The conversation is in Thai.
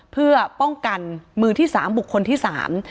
เพื่อป้องกันมือที่สามบุคคลที่สาม